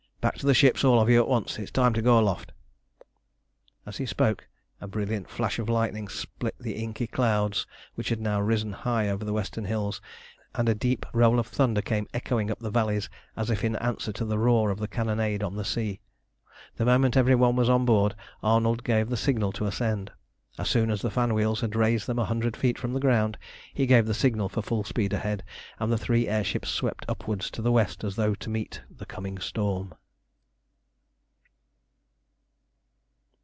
Back to the ships all of you at once, it's time to go aloft!" As he spoke a brilliant flash of lightning split the inky clouds which had now risen high over the western hills, and a deep roll of thunder came echoing up the valleys as if in answer to the roar of the cannonade on the sea. The moment every one was on board, Arnold gave the signal to ascend. As soon as the fan wheels had raised them a hundred feet from the ground he gave the signal for full speed ahead, and the three air ships swept upwards to the west as though to meet the coming storm.